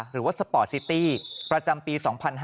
หรือว่าสปอร์ตซิตี้ประจำปี๒๕๖๖